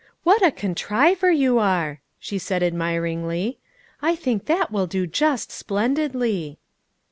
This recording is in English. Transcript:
" What a con triver you are! " she said admiringly. " I think that will do just splendidly."